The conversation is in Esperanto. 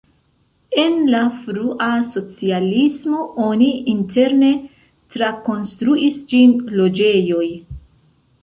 En la frua socialismo oni interne trakonstruis ĝin loĝejoj.